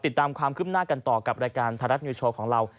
ติดตามความคืบหน้ากันต่อกับรายการไทยรัฐนิวโชว์ของเรา